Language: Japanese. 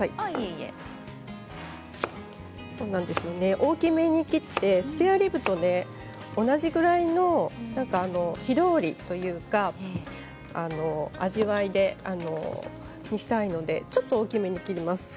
大きめに切ってスペアリブとね同じぐらいの火通りというか味わいにしたいのでちょっと大きめに切ります。